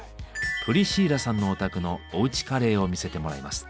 プリシーラさんのお宅のおうちカレーを見せてもらいます。